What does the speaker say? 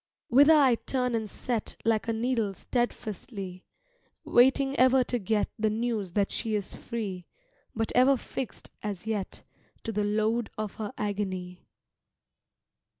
Whither I turn and set Like a needle steadfastly, Waiting ever to get The news that she is free; But ever fixed, as yet, To the lode of her agony.